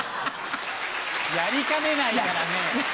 やりかねないからね！